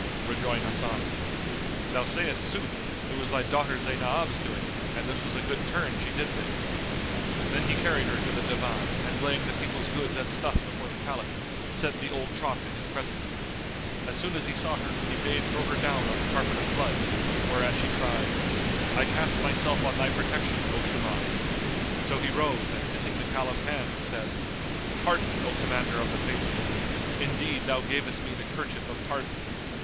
Rejoined Hasan, "Thou sayst sooth, it was thy daughter Zaynab's doing, and this was a good turn she did thee." Then he carried her to the Divan and laying the people's goods and stuff before the Caliph, set the old trot in his presence. As soon as he saw her, he bade throw her down on the carpet of blood, whereat she cried, "I cast myself on thy protection, O Shuman." So he rose and kissing the Caliph's hands, said, "Pardon, O Commander of the Faithful! Indeed, thou gavest me the kerchief of pardon."